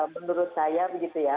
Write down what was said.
menurut saya begitu ya